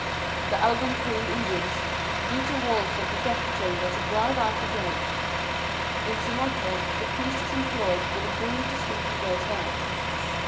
The Algonquin Indians beat the walls of the death chamber to drive out the ghost ; in Sumatra, a priest is employed with a broom to sweep the ghost out.